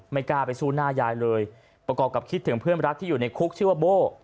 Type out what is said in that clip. กล้าไปสู้หน้ายายเลยประกอบกับคิดถึงเพื่อนรักที่อยู่ในคุกชื่อว่าโบ้